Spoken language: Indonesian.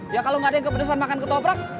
ya kalau gak ada yang kepedusan makan ketoprak